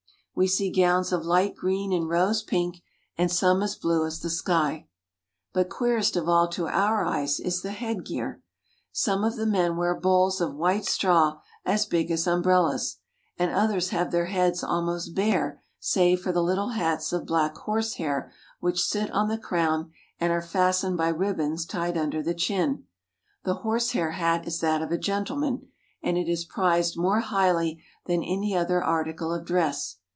We see gowns of light green and rose pink, and some as blue as the sky. But queerest of all to our eyes is the headgear. Some of the men wear bowls of white straw as big as umbrellas, and others have their heads almost bare save for the little hats of black horsehair which sit on the crown and are fastened by ribbons tied under the chin. The horsehair hat is that of a gentleman, and it is prized more highly than any other article of dress.